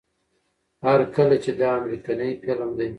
هر کله چې دا امريکنے فلم دے